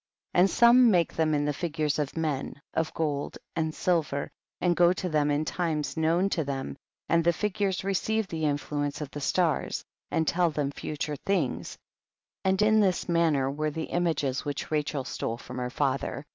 43. And some make them in the figures of men, of gold and silver, and go to them in times known to them, and the figures receive the influence of the stars, and tell them future things, and in this manner were the images which Rachel stole from her father.